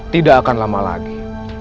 tidak akan lama lagi